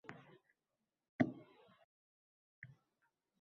Ijtimoiy tarmoqlar va internetga asoslangan xizmatlar bor.